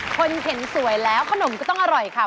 คนเห็นสวยแล้วขนมก็ต้องอร่อยค่ะ